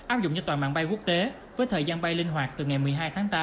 áp dụng cho toàn mạng bay quốc tế với thời gian bay linh hoạt từ ngày một mươi hai tháng tám